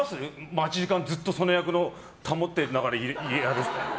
待ち時間、ずっとその役保ってやる人。